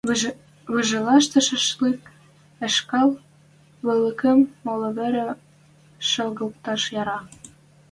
Выжалышашлык ышкал вольыкым моло веле шалгыкташ яра.